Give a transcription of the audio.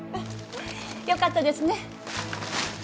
よかったですね。